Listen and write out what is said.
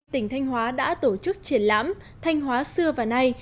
tỉnh thanh hóa đã tổ chức triển lãm thanh hóa xưa và nay